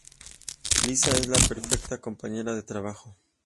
Lisa es la perfecta compañera de trabajo.